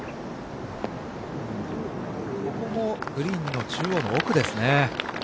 ここもグリーンの中央の奥ですね。